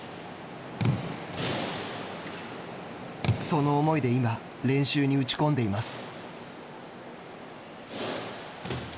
その思いで今練習に打ち込んでいます。